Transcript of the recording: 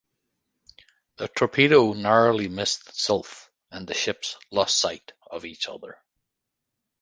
The torpedo narrowly missed "Sylph" and the ships lost sight of each other.